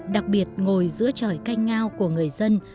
đặc biệt ngồi giữa tròi canh ngao của người dân